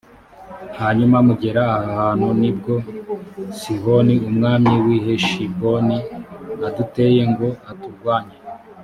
hanyuma mugera aha hantu; ni bwo sihoni umwami w’i heshiboni aduteye ngo aturwanye,